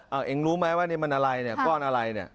เอาเองรู้ไหมว่านี่มันอะไรเนี่ยก้อนอะไรเนี่ย